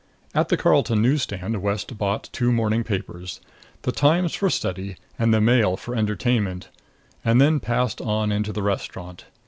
At the Carlton news stand West bought two morning papers the Times for study and the Mail for entertainment and then passed on into the restaurant.